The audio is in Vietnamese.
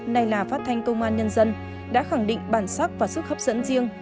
nay là phát thanh công an nhân dân đã khẳng định bản sắc và sức hấp dẫn riêng